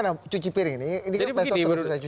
nah cuci piring ini ini kan besok selesai cuci piring